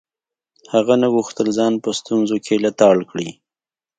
هغه نه غوښتل ځان په ستونزو کې لتاړ کړي.